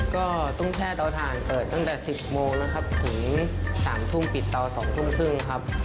ก็ต้องแช่เตาถ่านเปิดตั้งแต่๑๐โมงนะครับถึง๓ทุ่มปิดเตา๒ทุ่มครึ่งครับ